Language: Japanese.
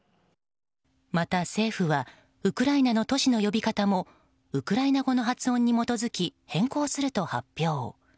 また、政府はウクライナの都市の呼び方もウクライナ語の発音に基づき変更すると発表。